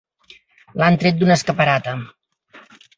L'han tret d'una escaparata.